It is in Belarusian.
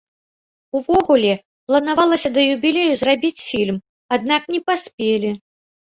Увогуле, планавалася да юбілею зрабіць фільм, аднак не паспелі.